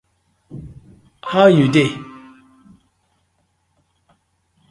How yu dey?